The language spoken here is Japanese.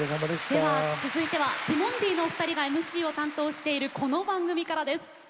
では続いてはティモンディのお二人がＭＣを担当しているこの番組からです。